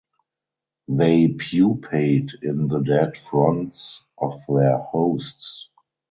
They pupate in the dead fronds of their hosts.